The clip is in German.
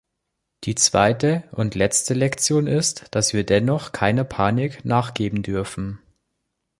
Die zweite und letzte Lektion ist, dass wir dennoch keiner Panik nachgeben dürfen.